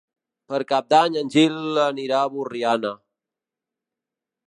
Per Cap d'Any en Gil anirà a Borriana.